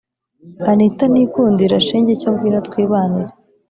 anita nikundira shenge cyo ngwino twibanire